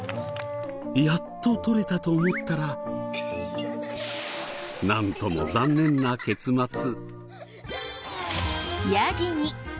やっと取れたと思ったらなんとも残念な結末。